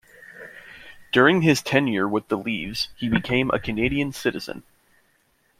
During his tenure with the Leafs, he became a Canadian citizen.